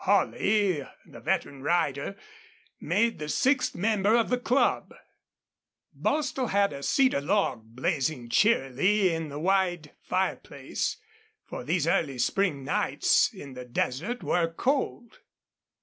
Holley, the veteran rider, made the sixth member of the club. Bostil had a cedar log blazing cheerily in the wide fireplace, for these early spring nights in the desert were cold.